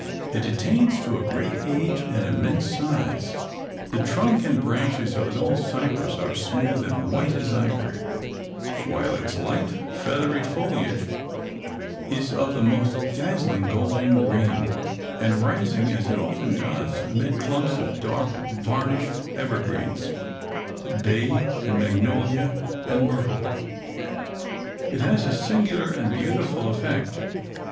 It attains to a great age and immense size. The trunk and branches of an old cypress are smooth and white as ivory, while its light, feathery foliage is of the most dazzling golden green; and rising, as it often does, amid clumps of dark varnished evergreens, bay and magnolia and myrtle, it has a singular and beautiful effect.